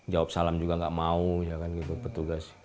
jawab salam juga nggak mau ya kan gitu petugas